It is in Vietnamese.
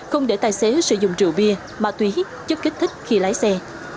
không để tài xế sử dụng rượu bia ma túy chất kích thích khi lái xe